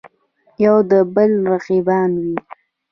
یودبل رقیبان وي.